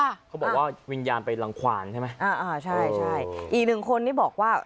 เขาบอกว่าวิญญาณไปรังขวานใช่ไหมอ่าอ่าใช่ใช่อีกหนึ่งคนนี้บอกว่า